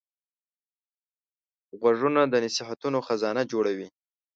غوږونه د نصیحتو خزانه جوړوي